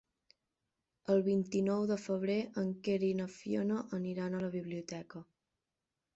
El vint-i-nou de febrer en Quer i na Fiona aniran a la biblioteca.